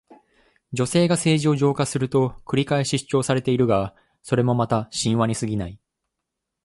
女性が政治を浄化すると繰り返し主張されているが、それもまた神話にすぎない。